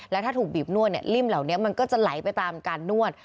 แล้วถ้าถูกบีบนวดเนี่ยริ่มเหล่านี้มันก็จะไหลไปตามการนวด